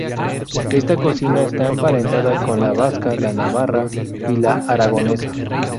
Esta cocina está emparentada con la vasca, la navarra y la aragonesa.